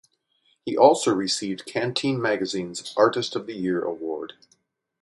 He also received "Canteen Magazine's" Artist of the Year Award.